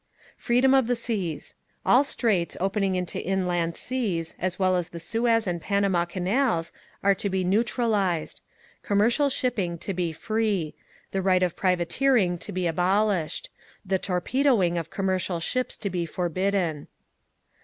Freedom of the Seas All straits opening into inland seas, as well as the Suez and Panama Canals, are to be neutralised. Commercial shipping to be free. The right of privateering to be abolished. The torpedoing of commercial ships to be forbidden.